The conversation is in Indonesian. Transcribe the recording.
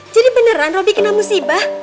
jadi beneran robi kena musibah